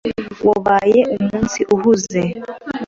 Wabaye umunsi uhuze.